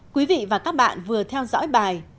quý vị và các bạn vừa theo dõi bài